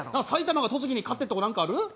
埼玉が栃木に勝ってっとこなんかある？